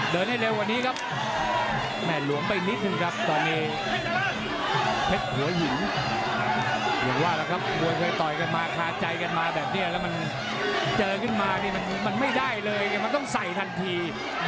เดินให้เร็วกว่านี้ครับแหม่นหลวงไปนิดหนึ่งครับตอนนี้